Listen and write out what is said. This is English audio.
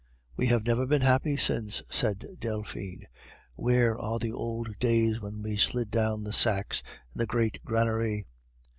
"We have never been happy since," said Delphine. "Where are the old days when we slid down the sacks in the great granary?"